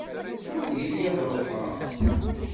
Sureg-iyi ad ṛuḥeɣ.